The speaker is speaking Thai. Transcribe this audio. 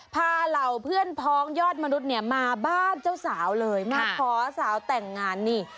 เหล่าเพื่อนพ้องยอดมนุษย์เนี่ยมาบ้านเจ้าสาวเลยมาขอสาวแต่งงานนี่